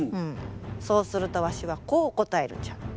そうするとわしはこう答えるんじゃ。